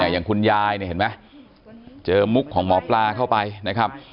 อย่างคุณยายเนี่ยเห็นไหมเจอมุกของหมอปลาเข้าไปนะครับ